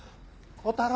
小太郎？